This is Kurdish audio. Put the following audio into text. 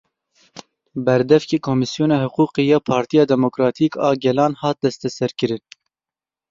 Berdevkê Komîsyona Hiqûqê ya Partiya Demokratîk a Gelan hat desteserkirin.